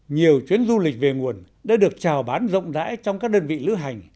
nhiều chuyến du lịch về nguồn đã được trào bán rộng rãi trong các đơn vị lưu hành